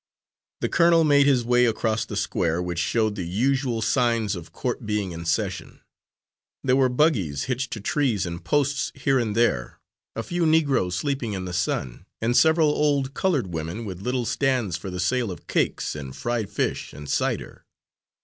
The colonel made his way across the square, which showed the usual signs of court being in session. There were buggies hitched to trees and posts here and there, a few Negroes sleeping in the sun, and several old coloured women with little stands for the sale of cakes, and fried fish, and cider.